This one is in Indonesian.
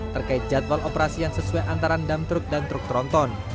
terkait jadwal operasi yang sesuai antara dam truk dan truk tronton